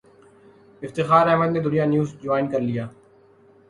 افتخار احمد نے Dunya news join کر لیا